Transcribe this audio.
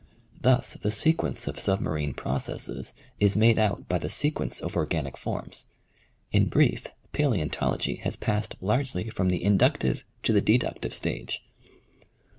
Thus the sequence of submarine processes is made out by the sequence of organic forms. In brief, palaeontology has passed largely from the inductive to the deductive stage.